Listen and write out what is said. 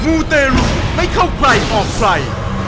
มูเตรุไม่เข้าใครออกใคร